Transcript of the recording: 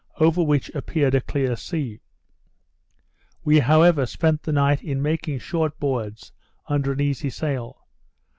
over which appeared a clear sea. We however spent the night in making short boards, under an easy sail.